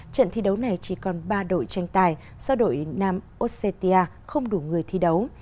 trận thi đấu này chỉ còn ba đội tranh tài do đội nam octia không đủ người thi đấu